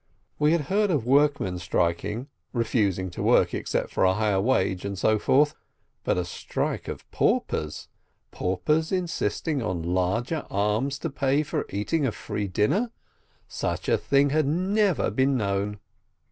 We had heard of workmen striking, refusing to work except for a higher wage, and so forth, but a strike of paupers — paupers insisting on larger alms as pay for eating a free dinner, such a thing had never been known.